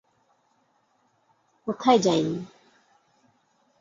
কোথায় যায় নি?